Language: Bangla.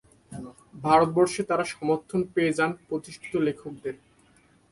ভারতবর্ষে তারা সমর্থন পেয়ে যান প্রতিষ্ঠিত লেখকদের।